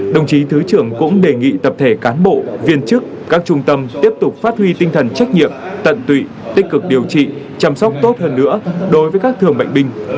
đồng chí thứ trưởng cũng đề nghị tập thể cán bộ viên chức các trung tâm tiếp tục phát huy tinh thần trách nhiệm tận tụy tích cực điều trị chăm sóc tốt hơn nữa đối với các thường bệnh binh